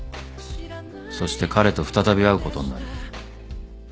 ［そして彼と再び会うことになる］